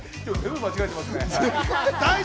今日全部間違えてますね。